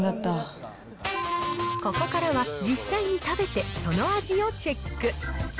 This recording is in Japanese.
ここからは実際に食べて、その味をチェック。